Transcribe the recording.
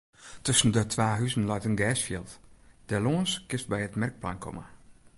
Tusken de twa huzen leit in gersfjild; dêrlâns kinst by it merkplein komme.